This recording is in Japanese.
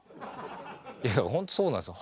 いやほんとそうなんですよ。